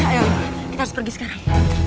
ayo kita harus pergi sekarang